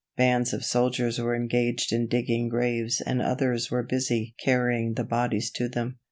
Bands of soldiers were engaged in digging graves and others were busy carrying the bodies to them.